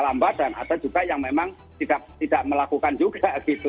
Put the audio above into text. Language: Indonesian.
lambat dan ada juga yang memang tidak melakukan juga gitu